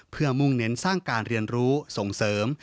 เพื่อมุ่งเน้นสร้างการเรียนรู้ส่งเสริม